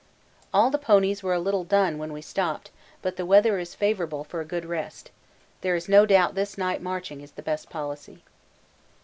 All the ponies were a little done when we stopped, but the weather is favourable for a good rest; there is no doubt this night marching is the best policy.